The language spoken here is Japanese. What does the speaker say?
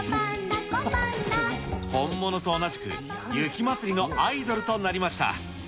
本物と同じく、雪まつりのアイドルとなりました。